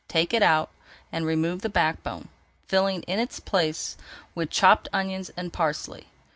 Take it out and remove the back bone, filling its place with chopped onions and parsley.